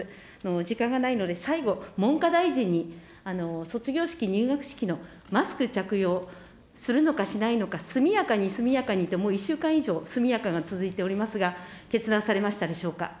時間がないので、最後、文科大臣に卒業式、入学式のマスク着用するのかしないのか、速やかに、速やかにって、もう１週間以上、速やかにが続いておりますが、決断されましたでしょうか。